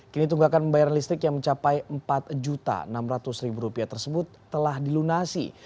kini tunggakan pembayaran listrik yang mencapai rp empat enam ratus tersebut telah dilunasi